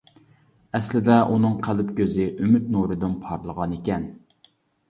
ئەسلىدە، ئۇنىڭ قەلب كۆزى ئۈمىد نۇرىدىن پارلىغان ئىكەن.